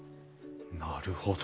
なるほど。